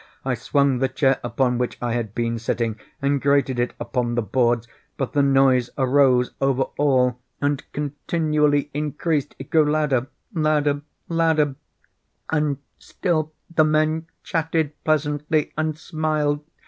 I swung the chair upon which I had been sitting, and grated it upon the boards, but the noise arose over all and continually increased. It grew louder—louder—louder! And still the men chatted pleasantly, and smiled.